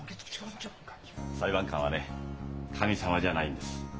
裁判官はね神様じゃないんです。